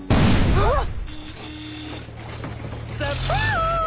あっ。